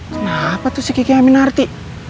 kenapa tuh si kiki amin narti